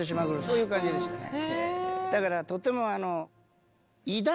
そういう感じでしたね。